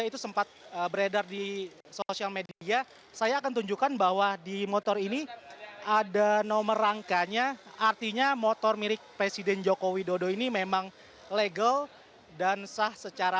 terima kasih